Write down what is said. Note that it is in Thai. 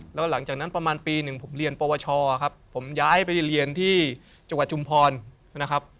แล้วหลังจากนั้นประมาณปีหนึ่งผมเรียนปวชครับผมย้ายไปเรียนที่จังหวัดชุมพรนะครับ